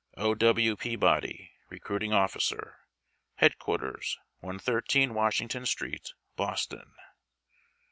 O. "W. PEABODY .... Recruiting Officer. Headquarters, 113 Washington Street, Boston.